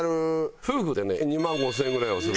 夫婦でね２万５０００円ぐらいはする。